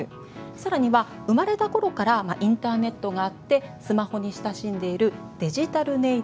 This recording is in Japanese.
更には生まれた頃からインターネットがあってスマホに親しんでいるデジタルネイティブである。